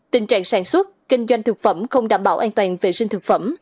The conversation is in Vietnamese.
tình trạng sản xuất kinh doanh thực phẩm không đảm bảo an toàn vệ sinh thực phẩm